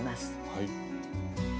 はい。